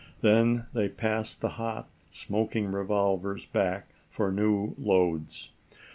Then they passed the hot smoking revolvers back for new loads.